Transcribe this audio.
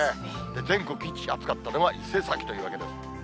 全国一暑かったのは伊勢崎というわけです。